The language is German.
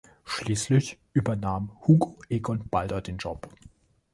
Schließlich übernahm Hugo Egon Balder den Job.